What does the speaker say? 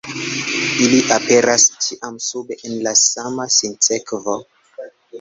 Ili aperas ĉiam sube en sama sinsekvo.